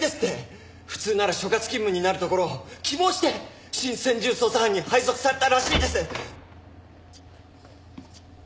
普通なら所轄勤務になるところを希望して新専従捜査班に配属されたらしいです！